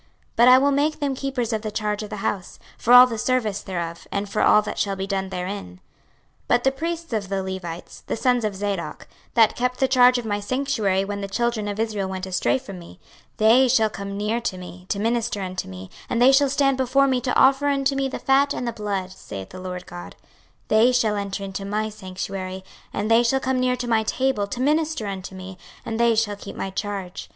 26:044:014 But I will make them keepers of the charge of the house, for all the service thereof, and for all that shall be done therein. 26:044:015 But the priests the Levites, the sons of Zadok, that kept the charge of my sanctuary when the children of Israel went astray from me, they shall come near to me to minister unto me, and they shall stand before me to offer unto me the fat and the blood, saith the Lord GOD: 26:044:016 They shall enter into my sanctuary, and they shall come near to my table, to minister unto me, and they shall keep my charge.